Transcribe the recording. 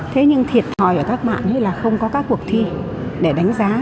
thế nhưng thiệt hồi của các bạn là không có các cuộc thi để đánh giá